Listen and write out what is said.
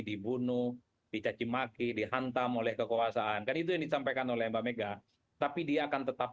dibunuh dicacimaki dihantam oleh kekuasaan kan itu yang disampaikan oleh mbak mega tapi dia akan tetap